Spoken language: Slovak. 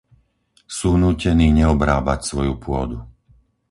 Sú nútení neobrábať svoju pôdu.